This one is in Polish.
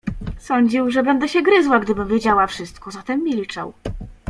"Sądził, że będę się gryzła, gdybym wiedziała wszystko, zatem milczał."